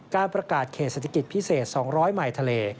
การประกาศเคสศติกิตพิเศษ๒๐๐มายทะเล